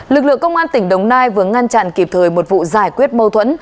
lực lượng công an tỉnh đồng nai vừa ngăn chặn kịp thời một vụ giải quyết mâu thuẫn